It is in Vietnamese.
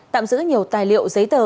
tạm giữ nhiều tài liệu giấy tờ